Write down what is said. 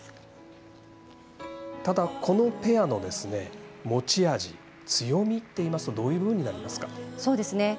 ただ、このペアの持ち味強みっていいますとどういうものになりますか？